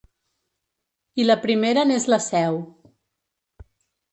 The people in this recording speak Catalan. I la primera n’és la seu.